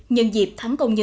nhân dịp thắng công nhân